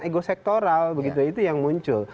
ego sektoral begitu itu yang muncul